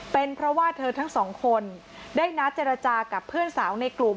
เป็นเพราะว่าเธอทั้งสองคนได้นัดเจรจากับเพื่อนสาวในกลุ่ม